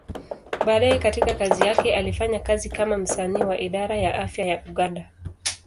Baadaye katika kazi yake, alifanya kazi kama msanii wa Idara ya Afya ya Uganda.